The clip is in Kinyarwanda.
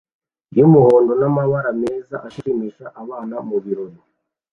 yumuhondo namababa meza ashimisha abana mubirori